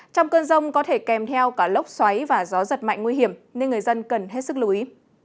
trong cơn rông có thể kèm theo cả lốc xoáy và gió giật mạnh nguy hiểm nên người dân cần hết sức lưu ý